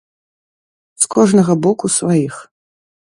З кожнага боку сваіх.